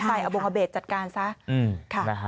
ใส่อบงบเบตจัดการซะค่ะ